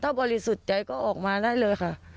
ถ้าบริสุทธิ์ใจก็ออกมาได้เลยค่ะ